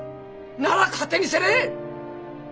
なら勝手にせんね！